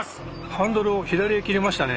ハンドルを左へ切りましたね。